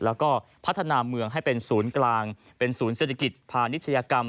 แล้วก็พัฒนาเมืองให้เป็นศูนย์กลางเป็นศูนย์เศรษฐกิจพาณิชยกรรม